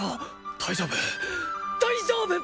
大丈夫大丈夫！